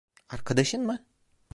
Arkadaşın mı?